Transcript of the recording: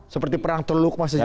seperti perang teluk mas ziyah